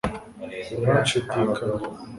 uranshidikanya